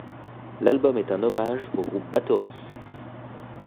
L'album est un hommage au groupe Bathory.